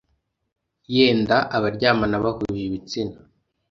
yenda abaryamana bahuje ibitsina